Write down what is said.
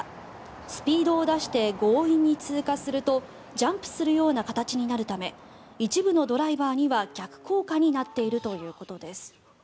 スピードを出して強引に通過するとジャンプするような形になるため一部のドライバーには逆効果になっているということです。